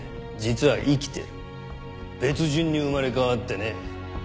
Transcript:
別人に生まれ変わってね。